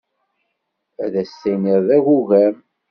Ad as-tiniḍ d agugam.